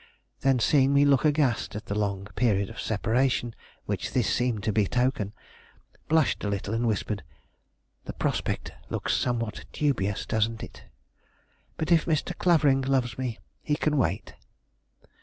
Then, seeing me look aghast at the long period of separation which this seemed to betoken, blushed a little and whispered: "The prospect looks somewhat dubious, doesn't it? But if Mr. Clavering loves me, he can wait."